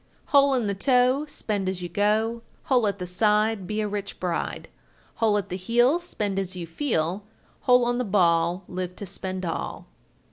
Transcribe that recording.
_ 1398. Hole in the toe, spend as you go: Hole at the side, be a rich bride; Hole at the heel, spend as you feel; Hole on the ball, live to spend all.